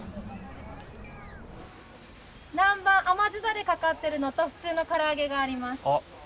南蛮甘酢ダレかかってるのと普通の唐揚げがあります。